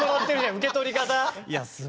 受け取り方。